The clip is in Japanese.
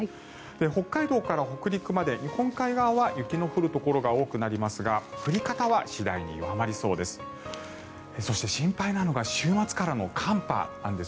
北海道から北陸まで日本海側は雪の降るところが多くなりますが降り方は次第に弱まりそうです。